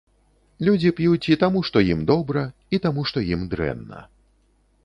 Людзі п'юць і таму, што ім добра, і таму, што ім дрэнна.